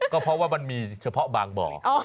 ก็เพราะว่ามันมีเฉพาะบางบ่อ